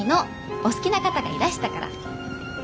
お好きな方がいらしたから！